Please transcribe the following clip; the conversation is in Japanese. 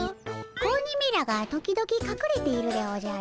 子鬼めらが時々かくれているでおじゃる。